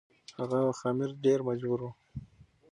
هغه وخت امیر ډیر مجبور و.